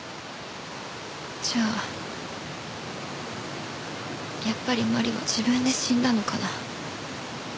じゃあやっぱり麻里は自分で死んだのかな？